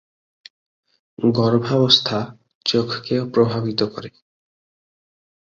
গর্ভাবস্থা চোখকেও প্রভাবিত করে।